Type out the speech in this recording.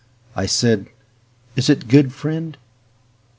I said, "Is it good, friend?"